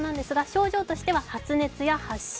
症状としては発熱や発疹。